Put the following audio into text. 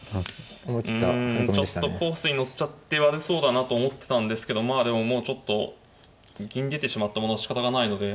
うんちょっとコースに乗っちゃって悪そうだなと思ってたんですけどまあでももうちょっと銀出てしまったものはしかたがないので。